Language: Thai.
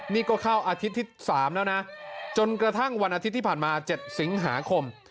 นี่ก็เข้าอาทิตย์ที่๓แล้วนะจนกระทั่งวันอาทิตย์ที่ผ่านมา๗สิงหาคม